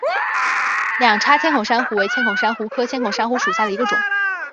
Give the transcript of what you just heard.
两叉千孔珊瑚为千孔珊瑚科千孔珊瑚属下的一个种。